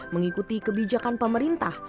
mengikuti kebijakan pemerintah